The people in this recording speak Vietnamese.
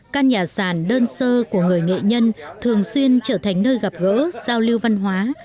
các nhà sàn đơn sơ của người nghệ nhân thường xuyên trở thành nơi gặp gỡ giao lưu văn hóa